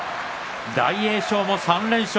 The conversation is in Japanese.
大栄翔も３連勝。